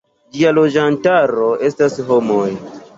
Ĝia loĝantaro estas homoj.